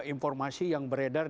informasi yang beredar